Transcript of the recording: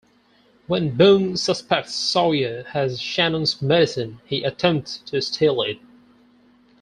When Boone suspects Sawyer has Shannon's medicine, he attempts to steal it.